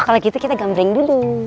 kalau gitu kita gambling dulu